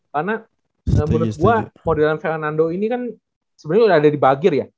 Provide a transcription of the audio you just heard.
karena menurut gue modelan fernando ini kan sebenernya udah ada di bagir ya